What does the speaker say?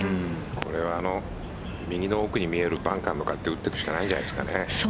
これは右の奥に見えるバンカーに打っていくんじゃないですかね。